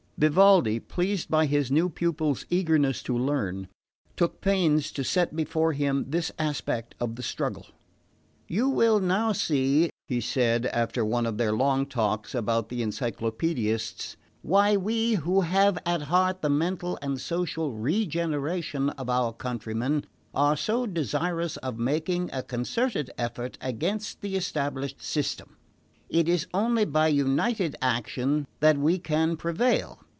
Vivaldi, pleased by his new pupil's eagerness to learn, took pains to set before him this aspect of the struggle. "You will now see," he said, after one of their long talks about the Encyclopaedists, "why we who have at heart the mental and social regeneration of our countrymen are so desirous of making a concerted effort against the established system. It is only by united action that we can prevail.